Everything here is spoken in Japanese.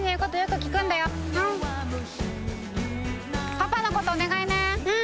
パパのことお願いね。